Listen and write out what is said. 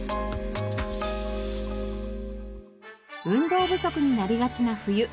運動不足になりがちな冬。